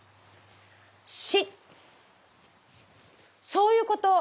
そういうこと。